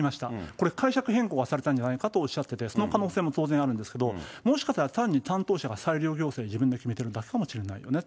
これ、解釈変更がされたんじゃないかとおっしゃってて、その可能性も当然あるんですけども、もしかすると、単に担当が裁量行政を自分で決めてるだけかもしれないとね。